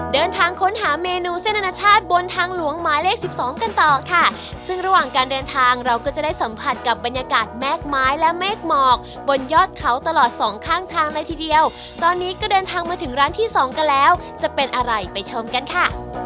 เดินทางค้นหาเมนูเส้นอนาชาติบนทางหลวงหมายเลขสิบสองกันต่อค่ะซึ่งระหว่างการเดินทางเราก็จะได้สัมผัสกับบรรยากาศแม่กไม้และเมฆหมอกบนยอดเขาตลอดสองข้างทางเลยทีเดียวตอนนี้ก็เดินทางมาถึงร้านที่สองกันแล้วจะเป็นอะไรไปชมกันค่ะ